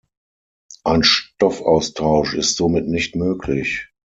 Ein Stoffaustausch ist somit nicht möglich.